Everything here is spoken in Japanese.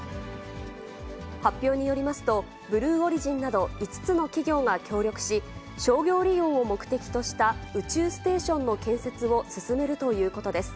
発表によりますと、ブルーオリジンなど５つの企業が協力し、商業利用を目的とした宇宙ステーションの建設を進めるということです。